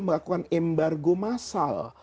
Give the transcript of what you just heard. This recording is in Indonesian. melakukan embargo massal